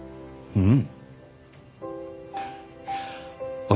うん。